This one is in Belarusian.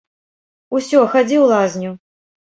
Усё, хадзі ў лазню.